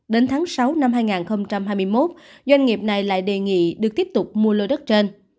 đến tháng sáu năm hai nghìn hai mươi một doanh nghiệp này lại đề nghị được tiếp tục mua lô đất trên